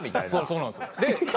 そうなんですよ。